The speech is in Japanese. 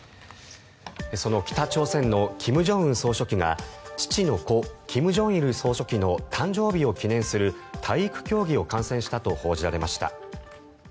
その北朝鮮の金正恩総書記が父の故・金正日総書記の誕生日を記念する体育競技を観戦したと報じられました。